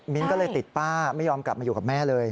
ก็เลยติดป้าไม่ยอมกลับมาอยู่กับแม่เลย